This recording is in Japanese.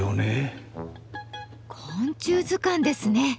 昆虫図鑑ですね。